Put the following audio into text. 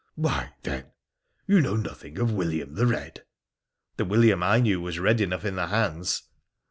Why, then, you know nothing of William the Red ?'' The William I knew was red enough in the hands.'